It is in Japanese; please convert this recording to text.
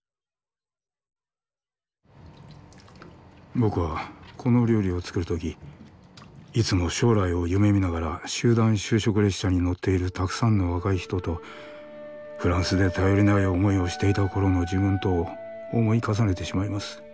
僕はこの料理を作るときいつも将来を夢見ながら集団就職列車に乗っているたくさんの若い人とフランスで頼りない思いをしていた頃の自分とを思い重ねてしまいます。